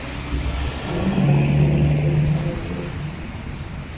Alama yake ni SiO.